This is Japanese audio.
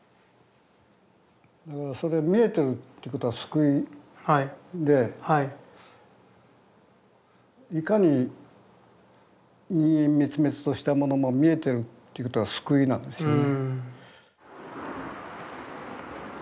だからそれ見えてるってことは救いでいかに陰陰滅滅としたものも見えてるっていうことは救いなんですよね。